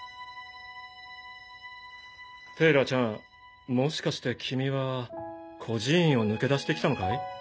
テイラーちゃんもしかして君は孤児院を抜け出して来たのかい？